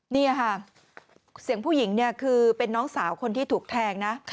นี่ค่ะเสียงผู้หญิงเนี่ยคือเป็นน้องสาวคนที่ถูกแทงนะ